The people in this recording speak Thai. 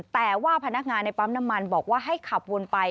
แต่ว่าพนักงานในปั๊มน้ำมันบอกว่าให้ขับวนไป